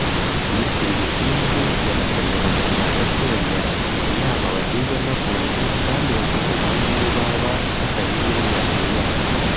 Minisitiri Busingye yanasabye Abanyarwanda kwemera inama bagirwa n’abunzi kandi bakabubaha n’ubwo baba batanyuzwe n’imyanzuro yabo